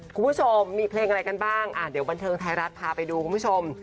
คุณผู้ชมมีเพลงอะไรกันบ้างเดี๋ยวบันเทิงไทยรัฐพาไปดูคุณผู้ชม